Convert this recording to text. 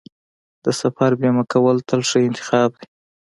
د سفر بیمه کول تل ښه انتخاب دی.